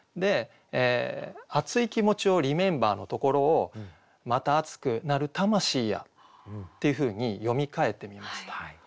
「熱い気持ちをリメンバー」のところを「また熱くなる魂や」っていうふうに詠みかえてみました。